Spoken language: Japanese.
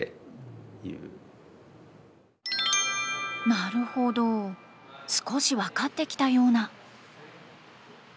なるほど少し分かってきたような。